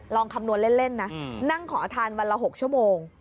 คำนวณเล่นนะนั่งขอทานวันละ๖ชั่วโมง